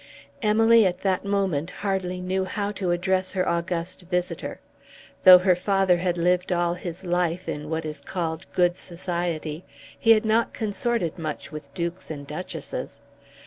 Emily at the moment hardly knew how to address her august visitor. Though her father had lived all his life in what is called good society, he had not consorted much with dukes and duchesses.